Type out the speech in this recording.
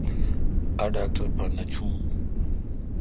اے°ڈاکٹر پہ نہ چھون۔